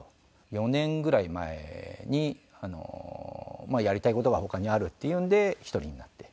４年ぐらい前にやりたい事が他にあるっていうんで１人になって。